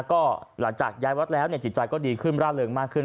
ก็หลังจากย้ายวัดแล้วจิตใจก็ดีขึ้นร่าเริงมากขึ้น